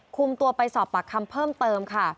คุมตัวไปสอบปากคำเพิ่มเติมค่ะ